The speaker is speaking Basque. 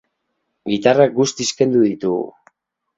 Gitarrak guztiz kendu ditugu.